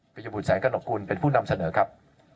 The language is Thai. บุตแสงกระหนกกุลเป็นผู้นำเสนอครับ